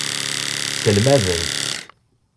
Sselmadent.